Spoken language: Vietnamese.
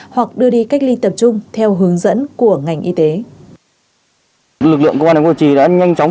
hoặc đưa đi cách ly tập trung